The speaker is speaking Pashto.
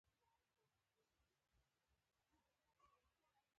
احمد ته مې غاړې شينې کړې چې دا کارونه مه کوه.